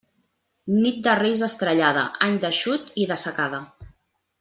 Nit de Reis estrellada, any d'eixut i de secada.